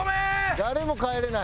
誰も帰れない。